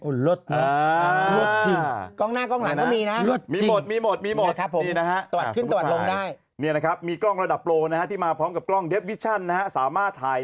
โอ้ลดลดลดจริงกล้องหน้ากล้องหลังก็มีนะคะลดจริงมีโหมดมีมี